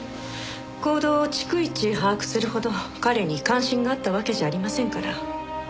行動を逐一把握するほど彼に関心があったわけじゃありませんから。